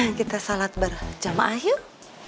ayo kita salat berjamaah yuk